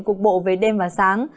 cục bộ về đêm và sáng